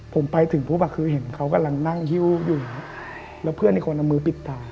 ผมไปถึงปุ๊บคือเห็นเขากำลังนั่งหิ้วอยู่แล้วเพื่อนอีกคนเอามือปิดตา